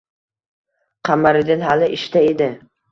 Qamariddin hali ishda edi